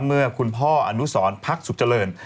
เมื่อคุณพ่ออนุสรพักสุขเจริญ